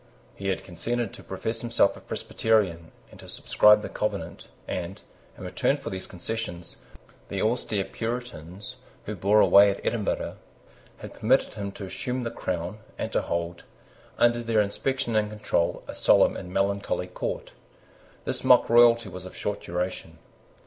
He had consented to profess himself a Presbyterian, and to subscribe the Covenant; and, in return for these concessions, the austere Puritans who bore sway at Edinburgh had permitted him to assume the crown, and to hold, under their inspection and control, a solemn and melancholy court. This mock royalty was of short duration.